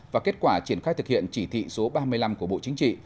và kết quả triển khai thực hiện chỉ thị số ba mươi năm của bộ chính trị